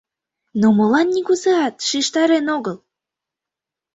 Но молан нигузеат шижтарен огыл?..